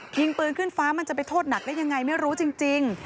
ยิงปืนขึ้นฟ้ามันจะไปโทษหนักได้ยังไงไม่รู้จริง